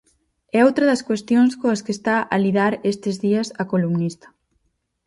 É outra das cuestións coas que está a lidar estes días a columnista.